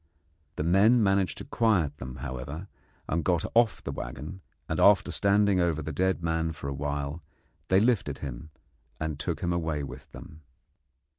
The men managed to quiet them, however, and got out of the waggon, and after standing over the dead man for a while they lifted him and took him away with them.